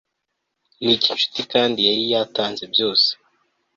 Niki nshuti Kandi yari yatanze byose